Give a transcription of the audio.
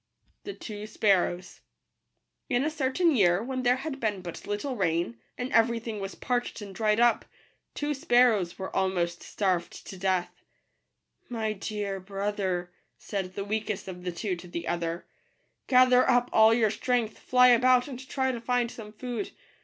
Digitized by Google a certain year, when there had been ^ut ^tl e ra * n > an ^ every thing was parched and dried up, two sparrows were a i mos t starved to death. " My dear brother," said the weakest of the two to the other, " gather up all your strength, fly about, and try to find some food.